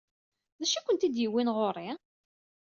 D acu ay kent-id-yewwin ɣer-i?